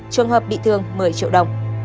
trường hợp bị thương một mươi triệu đồng